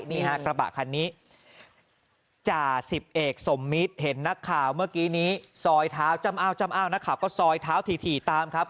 นี่ฮะกระบะคันนี้จ่าสิบเอกสมมิตรเห็นนักข่าวเมื่อกี้นี้ซอยเท้าจ้ำอ้าวจ้ำอ้าวนักข่าวก็ซอยเท้าถี่ตามครับ